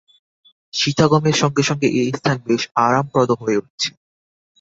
শীতাগমের সঙ্গে সঙ্গে এ স্থান বেশ আরামপ্রদ হয়ে উঠেছে।